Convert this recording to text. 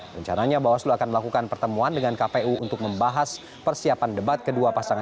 rencananya bawaslu akan melakukan pertemuan dengan kpu untuk membahas persiapan debat kedua pasangan